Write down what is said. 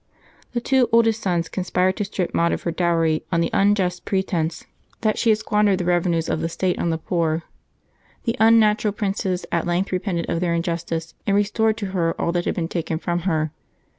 The two oldest sons conspired to strip Maud of her dowry, on the unjust pret«nce that she had 108 LIVES OF TEE SAINTS [March 15 squandered the revenues of the state on the poor. The unnatural princes at length repented of their injustice, and restored to her all that had been taken from her.